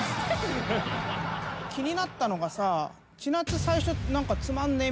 気になったのがさ千夏。